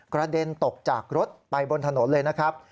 กระเด็นตกจากรถไปบนถนนเลยนะครับ